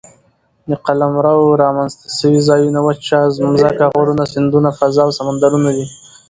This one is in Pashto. د قلمرو رامنځ ته سوي ځایونه وچه مځکه، غرونه، سیندونه، فضاء او سمندرونه دي.